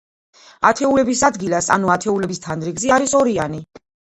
ათეულების ადგილას, ანუ ათეულების თანრიგზე არის ორიანი.